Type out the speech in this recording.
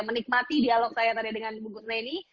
menikmati dialog saya tadi dengan bungkus neni